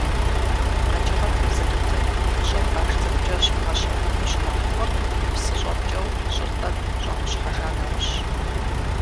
Къэкӏыгъэхэр зэрытым щӏыр баш цӏыкӏукӏэ щыбгъэщэбэну щынэхъыфӏыр псы щӏэпкӏэу щӏыр тӏэкӏу щӏэгъущхьэжа нэужьщ.